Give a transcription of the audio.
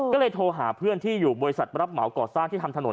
ก็เลยโทรหาเพื่อนที่อยู่บริษัทรับเหมาก่อสร้างที่ทำถนน